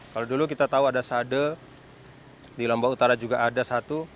kalau dulu kita tahu ada sade di lombok utara juga ada satu